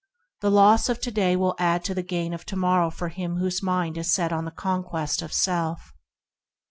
The loss of to day will add to the gain of to morrow for him whose mind is set on the conquest of self.